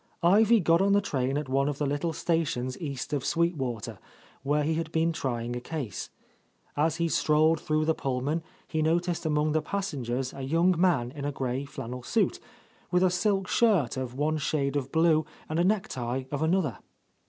Ivy got on the train at one of the little stations east of Sweet Water, where he had been trying a case. As he strolled through the Pullman he noticed among the passengers a young man in a grey flannel suit, with a silk shirt of one shade of blue and a necktie of another.